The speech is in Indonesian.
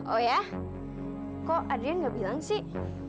oh ya kok adrian gak bilang sih